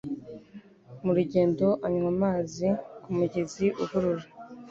Mu rugendo anywa amazi ku mugezi uhurura